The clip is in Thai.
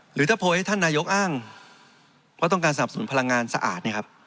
หรือถ้าโพยให้ท่านนายกอ้างว่าต้องการสนับสนุนพลังงานสะอาด